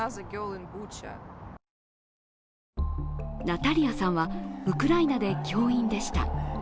ナタリアさんはウクライナで教員でした。